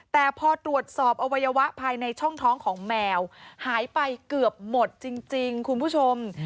แต่พอตรวจสอบอวัยวะภายในช่องท้องของแมวหายไปเกือบหมดจริงคุณผู้ชม